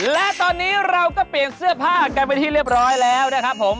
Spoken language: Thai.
และตอนนี้เราก็เปลี่ยนเสื้อผ้ากันไปที่เรียบร้อยแล้วนะครับผม